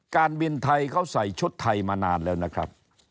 การบินไทยเขาใส่ชุดไทยมานานแล้วนะครับ